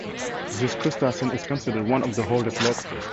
This crustacean is considered one of the oldest lobsters.